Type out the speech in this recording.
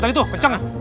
tadi tuh kenceng